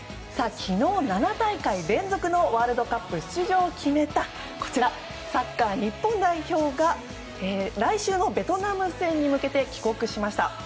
昨日、７大会連続のワールドカップ出場を決めたサッカー日本代表が来週のベトナム戦に向けて帰国しました。